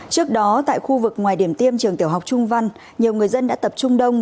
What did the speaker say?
trước đó tại khu vực ngoài điểm tiêm trường tiểu học trung văn nhiều người dân đã tập trung đông